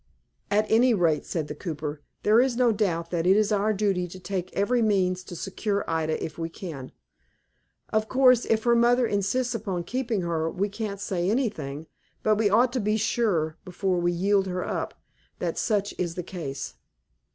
"At any rate," said the cooper, "there is no doubt that it is our duty to take every means to secure Ida if we can. Of course, if her mother insists upon keeping her, we can't say anything; but we ought to be sure, before we yield her up, that such is the case."